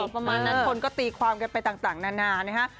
ประมาณนั้นคนก็ตีความกันไปต่างนานานะฮะ